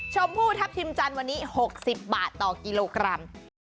ชมพู่ทัพทิมจันทร์วันนี้๖๐บาทต่อกิโลกรัม